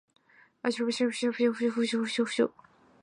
季风气候区通常位于大陆东岸